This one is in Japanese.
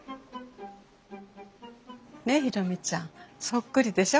ねえ宏美ちゃんそっくりでしょ？